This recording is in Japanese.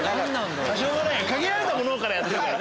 しょうがない限られたものからやってるから。